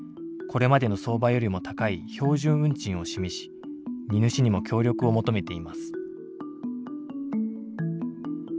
これまでの相場よりも高い標準運賃を示し荷主にも協力を求めています。